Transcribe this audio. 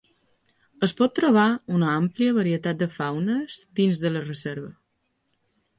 Es pot trobar una àmplia varietat de faunes dins de la reserva.